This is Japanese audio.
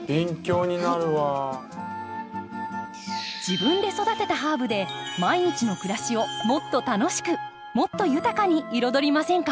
自分で育てたハーブで毎日の暮らしをもっと楽しくもっと豊かに彩りませんか。